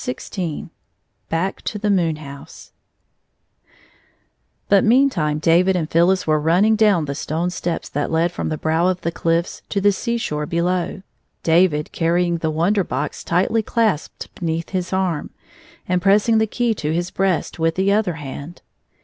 iSS XVI Back to the Moon House BUT meantime David and Phyllis were run I ning down the stone steps that led from the hrow of the cliffs to the seashore be low, David carrying the Wonder Box tightly clasped beneath his arm, and pressing the key to his breast with the other hand.